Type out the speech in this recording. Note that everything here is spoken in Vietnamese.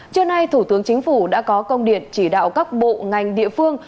trưa nay thủ tướng chính phủ đã có công điện chỉ đạo các bộ ngành địa phương